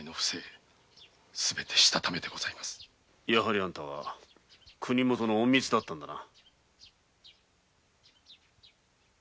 やはりあんたは国元の隠密だったんだな。